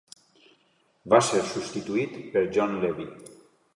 Va ser substituït per John Levy.